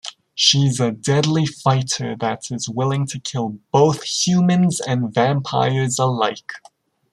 She's a deadly fighter that is willing to kill both humans and vampires alike.